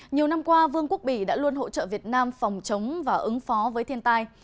nhiều năm qua vương quốc bỉ đã luôn hỗ trợ việt nam phòng chống và ứng phó với thiên tai